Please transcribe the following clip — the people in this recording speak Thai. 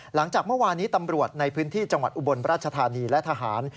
หลังจากเมื่อวานี้ตำรวจในพื้นที่จังหวัดอุบลราชธานีและทหาร